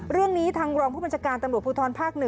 เรื่องนี้ทางรองผู้บัญชาการตำรวจภูทรภาค๑